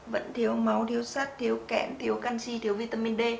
vẫn thiếu máu thiếu sắt thiếu kẽm thiếu canxi thiếu vitamin d